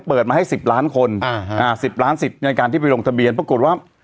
เปิดมาให้๑๐ล้านคน๑๐ล้านสิทธิ์ในการที่ไปลงทะเบียนปรากฏว่า